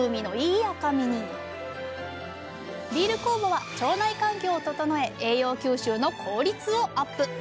ビール酵母は腸内環境を整え栄養吸収の効率をアップ